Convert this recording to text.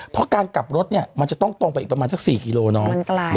เพราะการกลับรถเนี่ยมันจะต้องตรงไปอีกประมาณสัก๔กิโลเนาะ